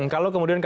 kalau kemudian kpk